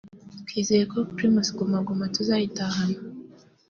twizeye ko Primus Guma Guma tuzayitahana